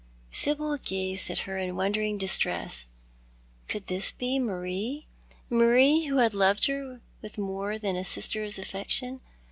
Sibyl gazed at her in wondering distress — could this be Marie, Marie who had loved her with more than a sister's affection